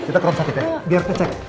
kita keron sakit ya biar kecek